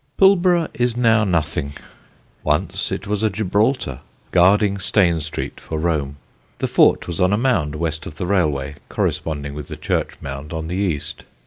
[Sidenote: AN ANCIENT FORTRESS] Pulborough is now nothing: once it was a Gibraltar, guarding Stane Street for Rome. The fort was on a mound west of the railway, corresponding with the church mound on the east.